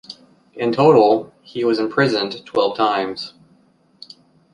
In total, he was imprisoned twelve times.